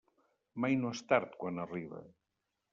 Mai no és tard quan arriba.